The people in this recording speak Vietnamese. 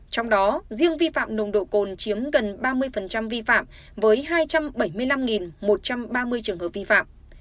trong đó riêng vi phạm nồng độ cồn chiếm gần ba mươi vi phạm với hai trăm bảy mươi năm một trăm ba mươi trường hợp vi phạm